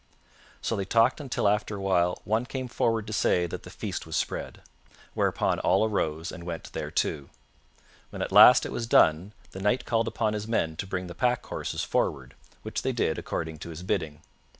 So they talked until after a while one came forward to say that the feast was spread; whereupon all arose and went thereto. When at last it was done, the Knight called upon his men to bring the pack horses forward, which they did according to his bidding.